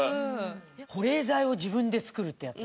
保冷剤を自分で作るってやつ